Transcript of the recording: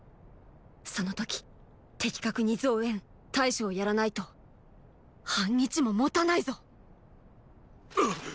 その時的確に増援・対処をやらないと半日ももたないぞあっ！